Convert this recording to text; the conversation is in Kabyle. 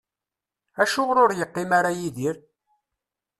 Acuɣer ur yeqqim ara Yidir?